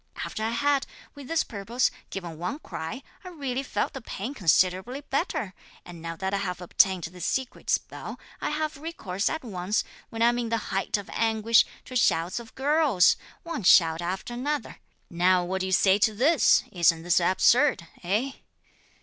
After I had, with this purpose, given one cry, I really felt the pain considerably better; and now that I have obtained this secret spell, I have recourse, at once, when I am in the height of anguish, to shouts of girls, one shout after another. Now what do you say to this? Isn't this absurd, eh?"